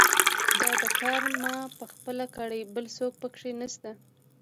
دا کار ما پخپله کړی، بل څوک پکې نشته.